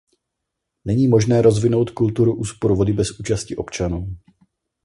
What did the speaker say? Není možné rozvinout kulturu úspor vody bez účasti občanů.